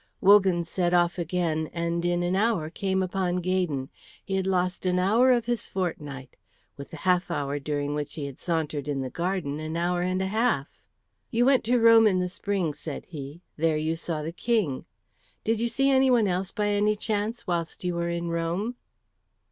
Wogan set off again, and in an hour came upon Gaydon. He had lost an hour of his fortnight; with the half hour during which he had sauntered in the garden, an hour and a half. "You went to Rome in the spring," said he. "There you saw the King. Did you see anyone else by any chance whilst you were in Rome?"